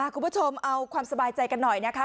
คุณผู้ชมเอาความสบายใจกันหน่อยนะคะ